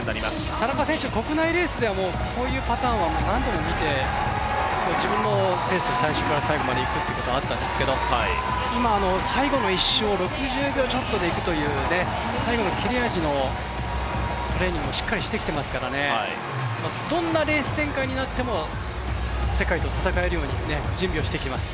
田中選手、国内レースではこういうパターンは何度も見て自分のペースで最初から最後までいくということはあったんですけれども、今、最後の１周を６０秒ちょっとでいくというタイムの切れ味のトレーニングをしっかりしてきていますからどんなレース展開になっても世界と戦えるように準備をしてきています。